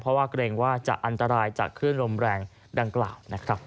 เพราะว่าเกรงว่าจะอันตรายจากคลื่นลมแรงดังกล่าวนะครับ